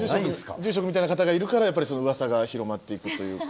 住職みたいな方がいるからやっぱりうわさが広まっていくというか。